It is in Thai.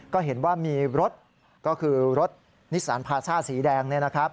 ก็เห็นว่ามีรถก็คือรถนิสสันพาซ่าสีแดง